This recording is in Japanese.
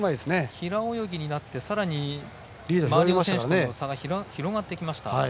平泳ぎになってさらに周りの選手との差が広がってきました。